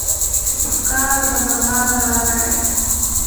چي په ښکار وو د مرغانو راوتلی